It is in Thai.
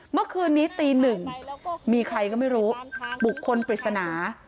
เมื่อคืนนี้ตีหนึ่งมีใครก็ไม่รู้บุคคลปริศนา